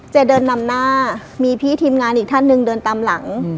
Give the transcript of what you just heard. เดินนำหน้ามีพี่ทีมงานอีกท่านหนึ่งเดินตามหลัง